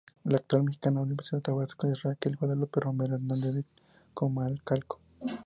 La actual "Mexicana Universal Tabasco" es Raquel Guadalupe Romero Hernández de Comalcalco.